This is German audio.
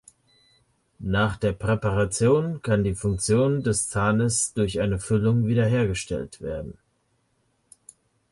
Nach der Präparation kann die Funktion des Zahnes durch eine Füllung wiederhergestellt werden.